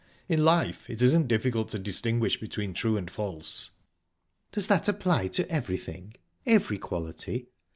In life, it isn't difficult to distinguish between true and false." "Does that apply to everything every quality?"